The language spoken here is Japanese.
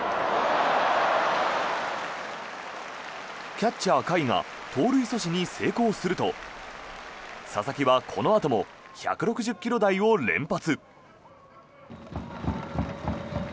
キャッチャー、甲斐が盗塁阻止に成功すると佐々木はこのあとも１６０ｋｍ台を連発。